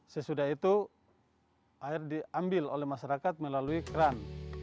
sesudah itu air diambil oleh masyarakat melalui keran